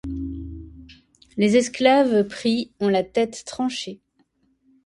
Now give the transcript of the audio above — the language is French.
Les esclaves pris ont la tête tranchée.